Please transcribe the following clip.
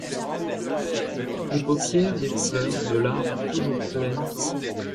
Les paupières des fleurs, de larmes toujours pleines